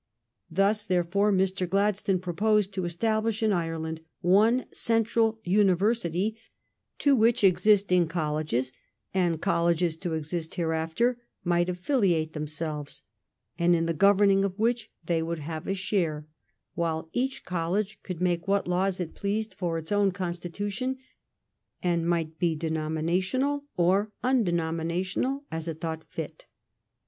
Thus, therefore, Mr. Gladstone proposed to establish in Ireland one central university to which existing colleges and colleges to exist hereafter might affili ate themselves and in the governing of which they would have a share, while each college could make what laws it pleased for its own constitution, and might be denominational or undenominational as it thought fit.